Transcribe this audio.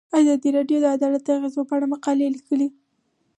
ازادي راډیو د عدالت د اغیزو په اړه مقالو لیکلي.